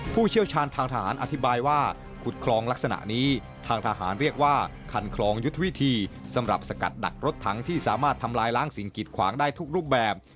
เชี่ยวชาญทางทหารอธิบายว่าขุดคลองลักษณะนี้ทางทหารเรียกว่าคันคลองยุทธวิธีสำหรับสกัดดักรถถังที่สามารถทำลายล้างสิ่งกิดขวางได้ทุกรูปแบบ